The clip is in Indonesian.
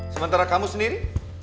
sementara kamu sendiri